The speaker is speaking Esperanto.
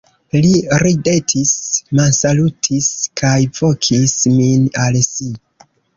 Li ridetis, mansalutis kaj vokis min al si.